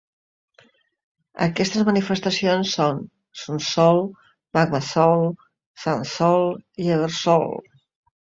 Aquestes manifestacions són Sunsoul, Magmasoul, Sandsoul i Embersoul.